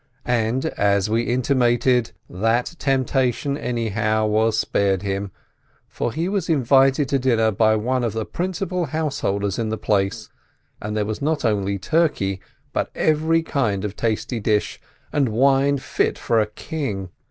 And, as we intimated, that temptation, anyhow, was spared him, for he was invited to dinner by one of the principal householders in the place, and there was not only turkey, but every kind of tasty dish, and wine fit for a king.